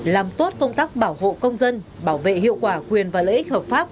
làm tốt công tác bảo hộ công dân bảo vệ hiệu quả quyền và lợi ích hợp pháp